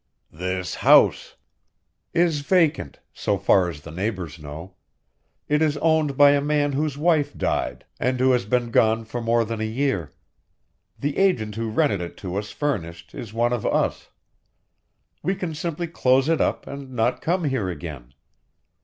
"This house " "Is vacant, so far as the neighbors know; it is owned by a man whose wife died, and who has been gone for more than a year. The agent who rented it to us furnished, is one of us. We can simply close it up and not come here again.